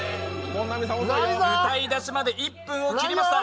歌い出しまで１分を切りました。